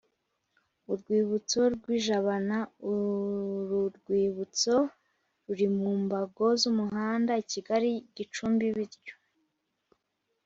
Urwibutso rw i jabana uru rwibutso ruri mu mbago z umuhanda kigali gicumbi bityo